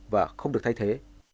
và không được thay thế